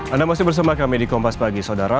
anda masih bersama kami di kompas pagi saudara